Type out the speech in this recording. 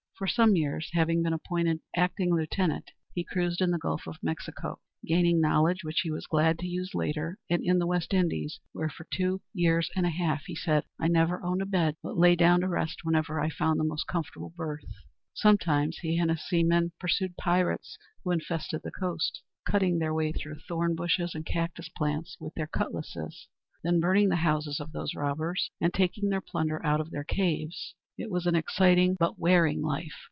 For some years, having been appointed acting lieutenant, he cruised in the Gulf of Mexico, gaining knowledge which he was glad to use later, and in the West Indies, where for two years and a half, he says, "I never owned a bed, but lay down to rest wherever I found the most comfortable berth." Sometimes he and his seamen pursued pirates who infested the coast, cutting their way through thornbushes and cactus plants, with their cutlasses; then burning the houses of these robbers, and taking their plunder out of their caves. It was an exciting but wearing life.